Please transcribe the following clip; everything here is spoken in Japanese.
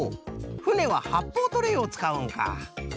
ふねははっぽうトレーをつかうんか！